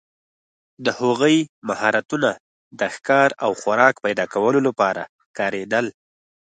د هغوی مهارتونه د ښکار او خوراک پیداکولو لپاره کارېدل.